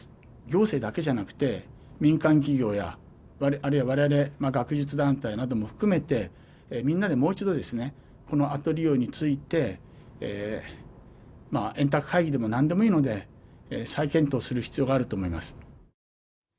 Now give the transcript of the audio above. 行政だけじゃなくて民間企業や、あるいはわれわれ学術団体なども含めて、みんなでもう一度、この後利用について円卓会議でもなんでもいいので再検討する必要があると思います。